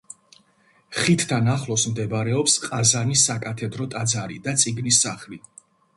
ხიდთან ახლოს მდებარეობს ყაზანის საკათედრო ტაძარი და წიგნის სახლი.